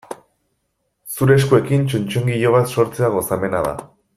Zure eskuekin txotxongilo bat sortzea gozamena da.